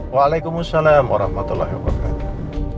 waalaikumsalam warahmatullahi wabarakatuh